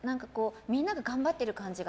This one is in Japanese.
みんなが頑張ってる感じが。